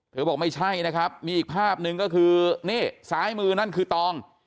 เธอบอกไม่ใช่นะครับมีอีกภาพนึงก็คือแสดงมือนั่นคือตอง